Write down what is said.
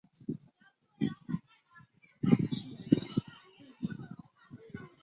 两名裁判在比赛期间会经常交换位置。